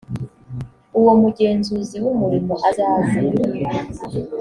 uwo mugenzuzi w’ umurimo azaze.